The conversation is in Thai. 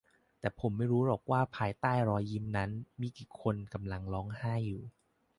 แต่ผมไม่รู้หรอกว่าภายใต้รอยยิ้มนั้นมีกี่คนกำลังร้องไห้อยู่